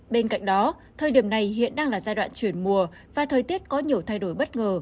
bên cạnh đó thời điểm này hiện đang là giai đoạn chuyển mùa và thời tiết có nhiều thay đổi bất ngờ